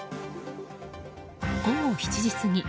午後７時過ぎ。